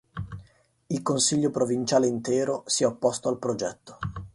Il consiglio provinciale intero si è opposto al progetto.